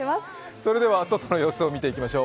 それでは外の様子を見ていきましょう。